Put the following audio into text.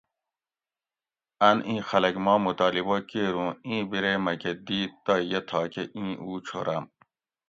اۤن ایں خلک ما مطالبہ کِیر اُوں ایں بیری مکہۤ دِیت تہ یہ تھاکہ اِیں اُو چھورم